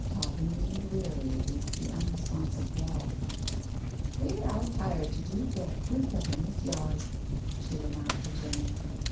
Toppin leaned wearily against the unresponsive wall. " Queer 'ow tired you do get cooped up in this yard," she remarked to Jenny.